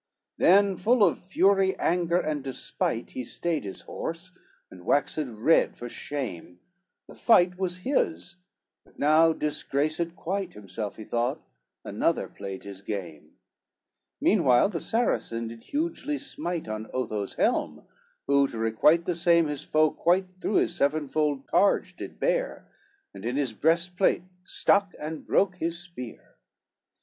XXXI Then full of fury, anger and despite, He stayed his horse, and waxed red for shame, The fight was his, but now disgraced quite Himself he thought, another played his game; Meanwhile the Saracen did hugely smite On Otho's helm, who to requite the same, His foe quite through his sevenfold targe did bear, And in his breastplate stuck and broke his spear.